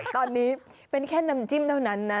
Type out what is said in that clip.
ตอนนี้เป็นแค่น้ำจิ้มเท่านั้นนะ